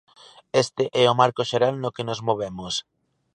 Este é o marco xeral no que nos movemos.